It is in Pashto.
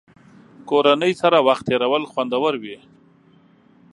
کورنۍ سره وخت تېرول خوندور وي.